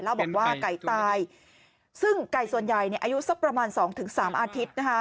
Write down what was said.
แล้วบอกว่าไก่ตายซึ่งไก่ส่วนใหญ่อายุสักประมาณ๒๓อาทิตย์นะคะ